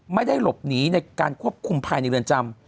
ไม่ได้หลบหนีในการควบคุมภายในเรือนจำ